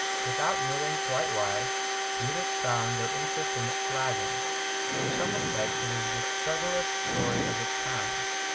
Without knowing quite why, readers found their interest in it flagging. In some respects it is the subtlest story of its kind.